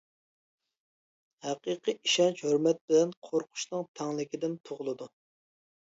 ھەقىقىي ئىشەنچ ھۆرمەت بىلەن قورقۇشنىڭ تەڭلىكىدىن تۇغۇلىدۇ.